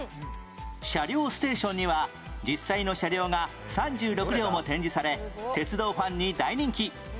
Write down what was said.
車両ステーションには実際の車両が３６両も展示され鉄道ファンに大人気